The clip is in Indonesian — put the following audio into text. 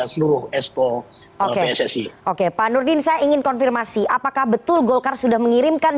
seluruh expo oke pak nurdin saya ingin konfirmasi apakah betul golkar sudah mengirimkan